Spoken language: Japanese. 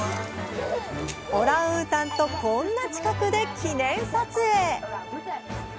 オランウータンとこんな近くで記念撮影。